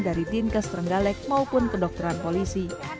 dari dinkes trenggalek maupun kedokteran polisi